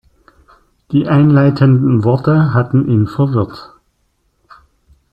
Die einleitenden Worte hatten ihn verwirrt.